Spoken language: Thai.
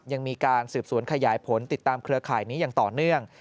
ยังมีการสืบสวนขยายผลติดตามเครือข่ายนี้อย่างต่อเนื่อง